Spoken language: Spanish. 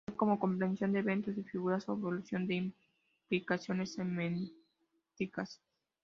Tal como: Comprensión de Eventos de Figuras o Evaluación de Implicaciones Semánticas.